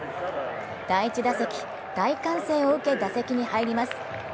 第１打席、大歓声を受け、打席に入ります。